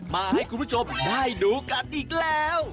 มาให้คุณผู้ชมได้ดูกันอีกแล้ว